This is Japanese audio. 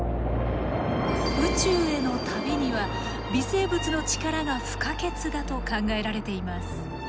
宇宙への旅には微生物の力が不可欠だと考えられています。